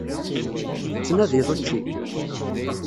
Tettnadiḍ učči?